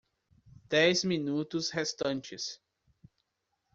Dez minutos restantes